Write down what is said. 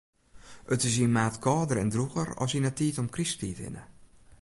It is yn maart kâlder en drûger as yn 'e tiid om Krysttiid hinne.